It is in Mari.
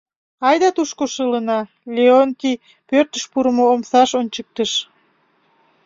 — Айда тушко шылына, — Леонтий пӧртыш пурымо омсаш ончыктыш.